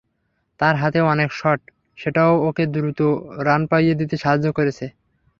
তার হাতে অনেক শট, সেটাও ওকে দ্রুত রান পাইয়ে দিতে সাহায্য করেছে।